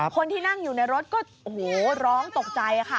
คนที่นั่งอยู่ในรถก็โอ้โหร้องตกใจค่ะ